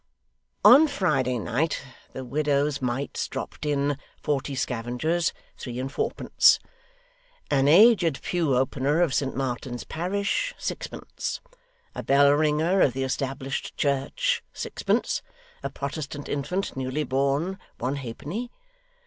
Hem! On Friday night the widows' mites dropped in. "Forty scavengers, three and fourpence. An aged pew opener of St Martin's parish, sixpence. A bell ringer of the established church, sixpence. A Protestant infant, newly born, one halfpenny.